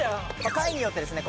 回によってですね